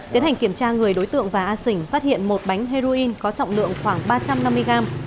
tiến hành kiểm tra người đối tượng và a sỉnh phát hiện một bánh heroin có trọng lượng khoảng ba trăm năm mươi gram